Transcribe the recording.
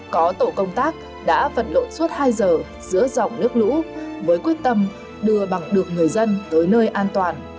có tổ công tác đã vật lộn suốt hai giờ giữa dòng nước lũ với quyết tâm đưa bằng được người dân tới nơi an toàn